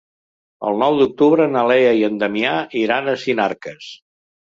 El nou d'octubre na Lea i en Damià iran a Sinarques.